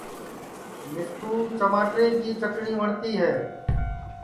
مِسکُو چماٹرے کی چٹٹؔی وٹؔتی ہے